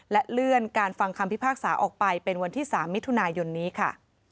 และเลื่อนการฟังคำพิพากษาออกไปเป็นวันที่๓มิถุนายนนี้ค่ะ